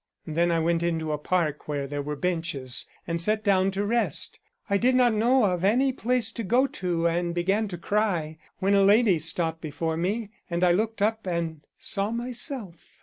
Then I went into a park, where there were benches, and sat down to rest. I did not know of any place to go to and began to cry, when a lady stopped before me, and I looked up and saw myself.